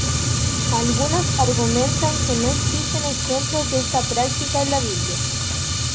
Algunas argumentan que no existen ejemplos de esta práctica en la Biblia.